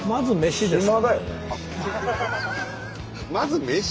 まず飯？